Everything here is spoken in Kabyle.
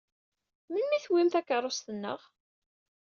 Melmi i tewwim takeṛṛust-nneɣ?